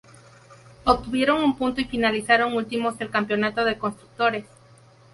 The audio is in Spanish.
Obtuvieron un punto y finalizaron últimos el campeonato de constructores.